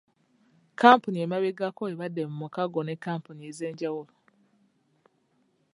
Kampuni emabegako ebadde mu mukago ne kampuni ez'enjawulo.